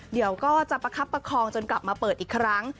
เดี๋ยวก็จะประคับประคองจนกลับมาเปิดอีกครั้ง